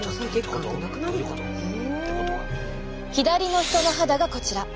左の人の肌がこちら。